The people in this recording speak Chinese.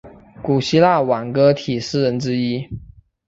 古希腊挽歌体诗人之一。